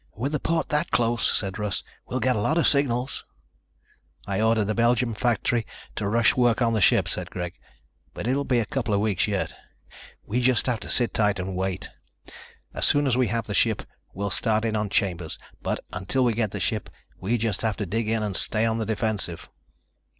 "With the port that close," said Russ, "we'll get a lot of signals." "I ordered the Belgium factory to rush work on the ship," said Greg. "But it will be a couple of weeks yet. We just have to sit tight and wait. As soon as we have the ship we'll start in on Chambers; but until we get the ship, we just have to dig in and stay on the defensive."